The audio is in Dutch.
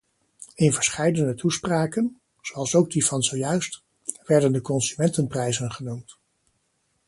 In verscheidene toespraken - zoals ook die van zojuist - werden de consumentenprijzen genoemd.